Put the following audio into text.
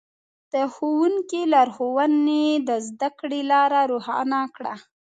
د ښوونکي لارښوونې د زده کړې لاره روښانه کړه.